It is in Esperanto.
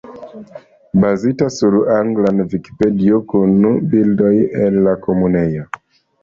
Bazita sur la angla Vikipedio kun bildoj el la Komunejo.